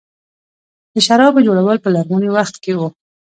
د شرابو جوړول په لرغوني وخت کې وو